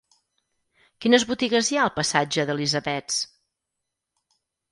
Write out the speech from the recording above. Quines botigues hi ha al passatge d'Elisabets?